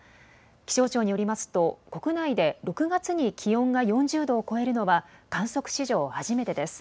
気象庁によりますと国内で６月に気温が４０度を超えるのは観測史上、初めてです。